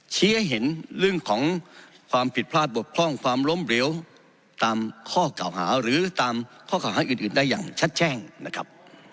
ชี้ให้เห็นเรื่องของความผิดพลาดบกพร่องความล้มเหลวตามข้อเก่าหาหรือตามข้อเก่าหาอื่นได้อย่างชัดแจ้งนะครับ